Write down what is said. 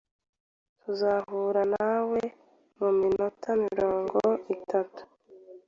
Tuzahura nawe muminota mirongo itatu.